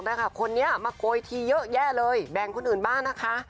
ทีเยอะแยะเลยแบงคุณอื่นบ้างนะคะ